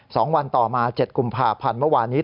สองวันต่อมาเจ็ดกุมภาพันธ์เมื่อวานนี้